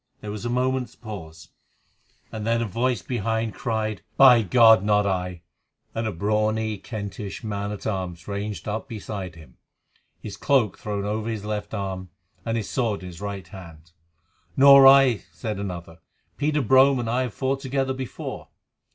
There was a moment's pause, then a voice behind cried: "By God! not I," and a brawny Kentish man at arms ranged up beside him, his cloak thrown over his left arm, and his sword in his right hand. "Nor I," said another. "Peter Brome and I have fought together before."